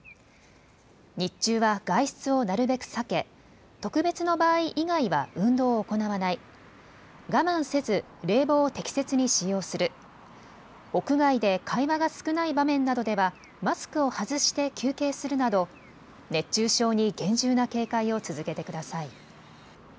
日中は外出をなるべく避け、特別の場合以外は運動を行わない、我慢せず冷房を適切に使用する、屋外で会話が少ない場面などではマスクを外して休憩するなど熱中症に厳重な警戒を続けてください。